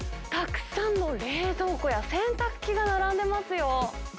たくさんの冷蔵庫や洗濯機が並んでますよ。